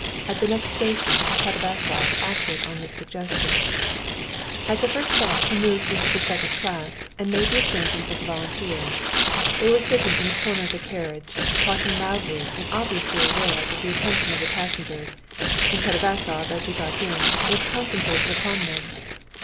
At the next station Katavasov acted on this suggestion. At the first stop he moved into the second class and made the acquaintance of the volunteers. They were sitting in a corner of the carriage, talking loudly and obviously aware that the attention of the passengers and Katavasov as he got in was concentrated upon them.